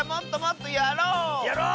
やろう！